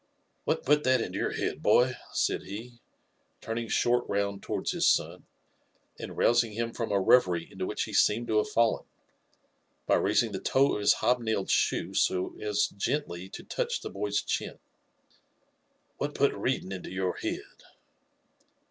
*' What put that into your head, boy?" said he, turning short xowoA towards his son, and rousing him from a reverie into which he seemed to have fallen, by raising the toe of his hph nailed shoe so as gently to touch the boy*s chin —'' What put reading into your head?"